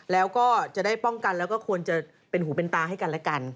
แล้วก็จะได้ป้องกันแล้วก็ควรจะเป็นหูเป็นตาให้กันและกัน